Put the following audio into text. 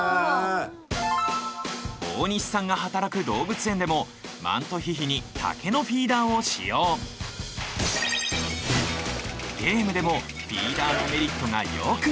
大西さんが働く動物園でもマントヒヒに竹のフィーダーを使用ゲームでもフィーダーのメリットがよく分かる。